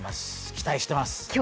期待しています。